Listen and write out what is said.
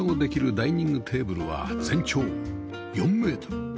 ダイニングテーブルは全長４メートル